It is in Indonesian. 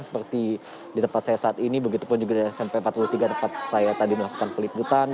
seperti di tempat saya saat ini begitu pun juga di smp empat puluh tiga tempat saya tadi melakukan peliputan